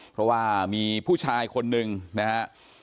เพราะว่ามีผู้ชายคนหนึ่งนะฮะ